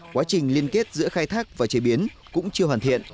quá trình liên kết giữa khai thác và chế biến cũng chưa hoàn thiện